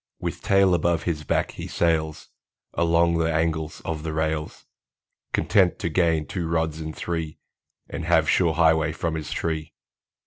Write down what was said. With tail above his back, he sails Along the angles of the rails, Content to gain two rods in three, And have sure highway from his tree.